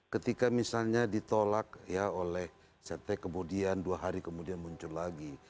ketika misalnya ditolak ya oleh ct kemudian dua hari kemudian muncul lagi